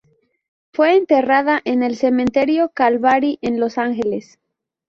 Fue enterrada en el Cementerio Calvary, en Los Ángeles.